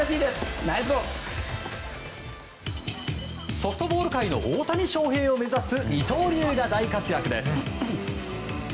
ソフトボール界の大谷翔平を目指す二刀流が大活躍です。